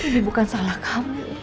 ini bukan salah kamu